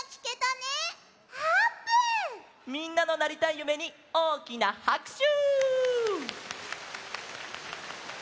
みんなのなりたいゆめにおおきなはくしゅ！